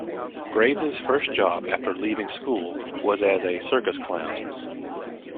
Graves's first job after leaving school was as a circus clown.